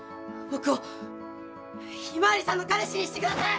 僕を向日葵さんの彼氏にしてください！